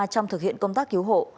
trong thực hiện công tác cứu hộ